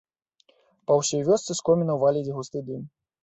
Па ўсёй вёсцы з комінаў валіць густы дым.